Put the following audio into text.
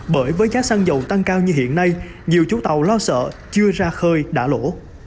bởi với giá xăng dầu tăng cao như hiện nay nhiều chủ tàu lo sợ chưa ra khơi đã lỗ